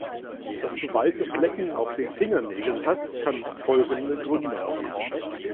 Dass du weiße Flecken auf den Fingernägeln hast, kann folgende Gründe haben.